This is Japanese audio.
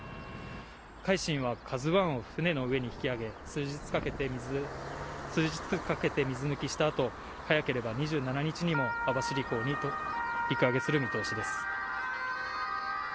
海進はカズワンを船の上に引き揚げ、数日かけて水抜きしたあと、早ければ２７日にも網走港に陸揚げする見通しです。